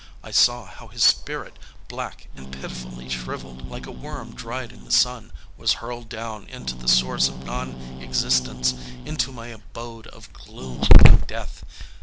I saw how his spirit, black and pitifully shrivelled, like a worm dried in the sun, was hurled down into the source of non existence, into my abode of gloom and death.